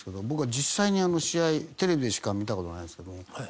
僕は実際に試合テレビでしか見た事ないんですけども。